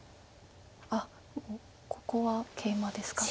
あっここはケイマですか。